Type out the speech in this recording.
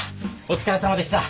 お疲れさまでした。